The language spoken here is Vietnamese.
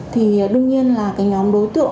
thì đương nhiên là cái nhóm đối tượng